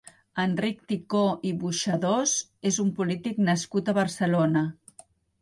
Enric Ticó i Buxadós és un polític nascut a Barcelona.